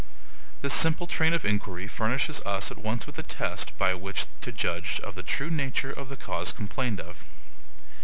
This simple train of inquiry furnishes us at once with a test by which to judge of the true nature of the clause complained of.